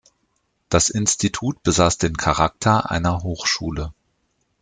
Das Institut besaß den Charakter einer Hochschule.